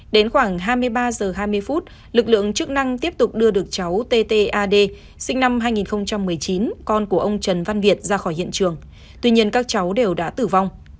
đến khoảng hai mươi ba h hai mươi phút lực lượng chức năng tiếp tục đưa được cháu t ad sinh năm hai nghìn một mươi chín con của ông trần văn việt ra khỏi hiện trường tuy nhiên các cháu đều đã tử vong